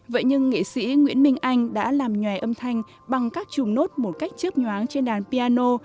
vậy nhưng nghệ sĩ nguyễn minh anh đã làm nhòe âm thanh bằng các chùm nốt một cách chớp nhoáng trên đàn piano